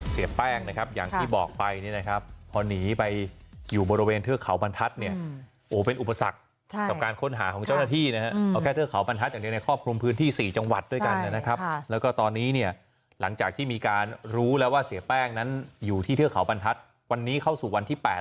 เสียแป้งนะครับอย่างที่บอกไปเนี่ยนะครับพอหนีไปอยู่บริเวณเทือกเขาบรรทัศน์เนี่ยโอ้เป็นอุปสรรคกับการค้นหาของเจ้าหน้าที่นะครับเอาแค่เทือกเขาบรรทัศน์อย่างเดียวในครอบคลุมพื้นที่๔จังหวัดด้วยกันนะครับแล้วก็ตอนนี้เนี่ยหลังจากที่มีการรู้แล้วว่าเสียแป้งนั้นอยู่ที่เทือกเขาบรรทัศน์วันนี้เข้าสู่วันที่๘